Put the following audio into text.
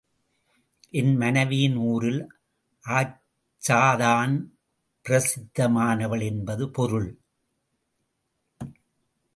என் மனைவியின் ஊரில் ஆச்சாதான் பிரசித்தமானவள் என்பது பொருள்.